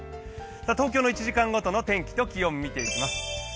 東京の１時間ごとの雨と天気を見ていきます。